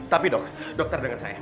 tapi dok dokter dengar